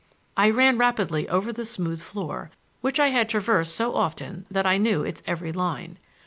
I ran rapidly over the smooth floor, which I had traversed so often that I knew its every line.